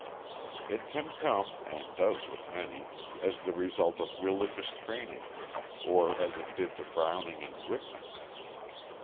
It can come (and does with many) as the result of religious training, or as it did to Browning and Whitman.